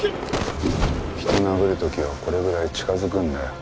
人を殴る時はこれぐらい近づくんだよ。